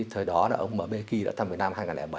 thời đó là ông m b ki đã thăm việt nam hai nghìn bảy